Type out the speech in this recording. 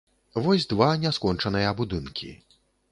Вось два няскончаныя будынкі.